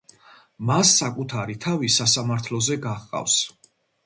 მას საკუთარი თავი სასამართლოზე გაჰყავს.